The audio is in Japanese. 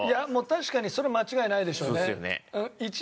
確かにそれは間違いないでしょうね。